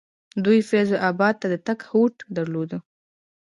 دوی فیض اباد ته د تګ هوډ درلودل.